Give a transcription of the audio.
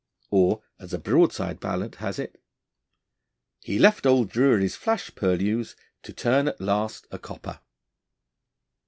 Or, as a broadside ballad has it, He left old Drury's flash purlieus, To turn at last a copper.